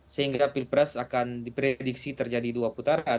sehingga pilpres akan diprediksi terjadi dua putaran